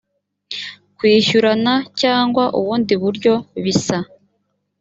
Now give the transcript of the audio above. kwishyurana cyangwa ubundi buryo bisa